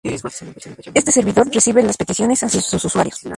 Este servidor recibe las peticiones hacia sus usuarios.